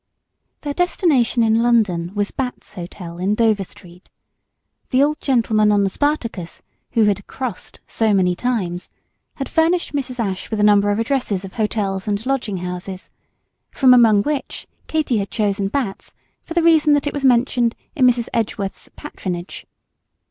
Their destination in London was Batt's Hotel in Dover Street. The old gentleman on the "Spartacus," who had "crossed" so many times, had furnished Mrs. Ashe with a number of addresses of hotels and lodging houses, from among which Katy had chosen Batt's for the reason that it was mentioned in Miss Edgeworth's "Patronage."